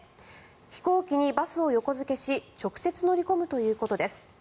飛行機にバスを横付けし直接乗り込むということです。